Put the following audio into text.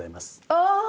ああ！